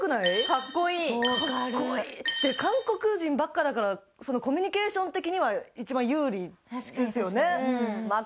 かっこいいかっこいいで韓国人ばっかだからコミュニケーション的には一番有利ですよね